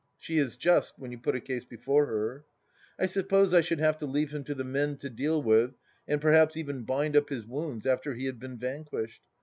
She is just, when you put a case before her. " I suppose I should have to leave him to the men to deal with, and perhaps even bind up his wounds after he had been vanquished.